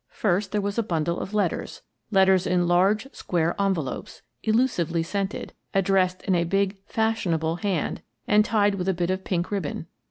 First, there was a bundle of letters — letters in large, square envelopes; elusively scented; ad dressed in a big " fashionable " hand, and tied with a bit of pink ribbon.